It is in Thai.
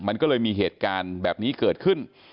มันก็เลยมีเหตุการณ์แบบนี้เกิดขึ้น